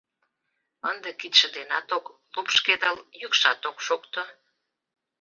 Ынде кидше денат ок лупшкедыл, йӱкшат ок шокто.